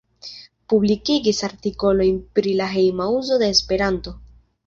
Publikigis artikolojn pri la hejma uzo de Esperanto.